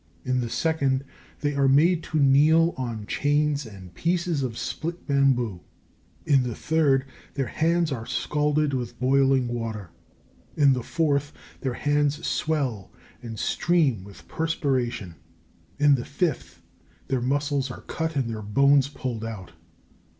In the second, they are made to kneel on chains and pieces of split bamboo. In the third, their hands are scalded with boiling water. In the fourth, their hands swell and stream with perspiration. In the fifth, their muscles are cut and their bones pulled out.